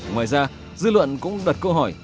ngoài ra dư luận cũng đặt câu hỏi